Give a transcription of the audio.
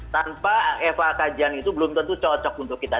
tanpa eva kajian itu belum tentu cocok untuk kita